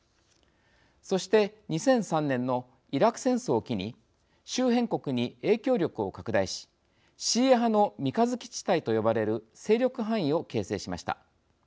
そして２００３年のイラク戦争を機に周辺国に影響力を拡大しシーア派の三日月地帯と呼ばれる勢力範囲を形成しました。